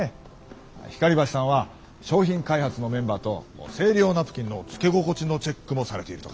光橋さんは商品開発のメンバーと生理用ナプキンのつけ心地のチェックもされているとか。